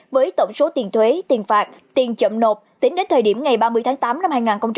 với tổng số tiền thuế tiền phạt tiền chậm nộp tính đến thời điểm ngày ba mươi tháng tám năm hai nghìn hai mươi